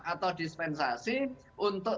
atau dispensasi untuk